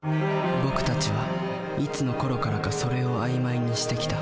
僕たちはいつのころからか「それ」を曖昧にしてきた。